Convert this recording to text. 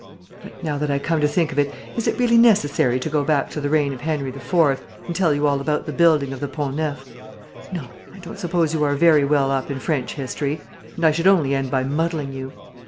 But, now that I come to think of it, is it really necessary to go back to the reign of Henry IV, and tell you all about the building of the Pont Neuf? No, I don't suppose you are very well up in French history; and I should only end by muddling you.